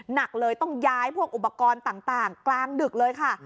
หนักเลยต้องย้ายพวกอุปกรณ์ต่างกลางดึกเลยค่ะ